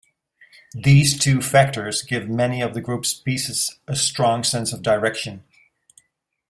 These two factors give many of the group's pieces a strong sense of direction.